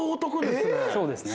そうですね。